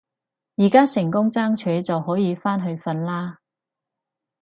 而家成功爭取就可以返去瞓啦